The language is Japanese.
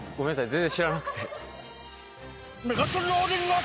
全然知らなくて。